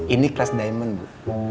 ini kelas diamond bu